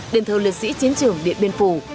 đền thờ liệt sĩ chiến trường điện biên phủ